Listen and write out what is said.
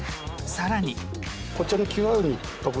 さらに。